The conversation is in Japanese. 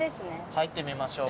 入ってみましょうか。